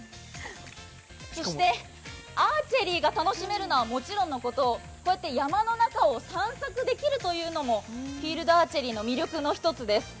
そしてアーチェリーが楽しめるのはもちろんのこと、山の中を散策できるというのもフィールドアーチェリーの魅力の一つです。